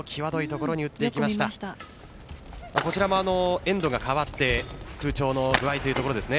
こちらもエンドが換わって空調の具合というところですね。